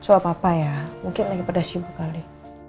soal papa ya mungkin lagi pada sibuk kali